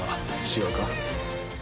違うか？